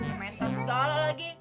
ngemeng terus dalel lagi